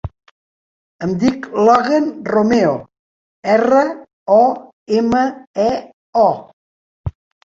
Em dic Logan Romeo: erra, o, ema, e, o.